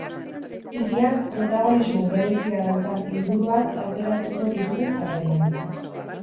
Hiriak protagonismo berezia daukan liburuak aukeratuko ditugu jarraian.